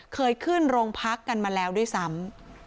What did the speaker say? เคยขึ้นโรงพักกันมาแล้วด้วยซ้ำ